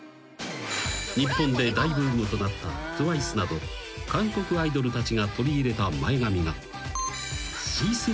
［日本で大ブームとなったＴＷＩＣＥなど韓国アイドルたちが取り入れた前髪が］